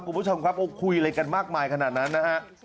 คุณผู้ชมครับเราคุยอะไรกันมากมายขนาดนั้นนะฮะ